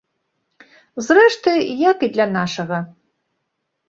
Зрэшты, як і для нашага.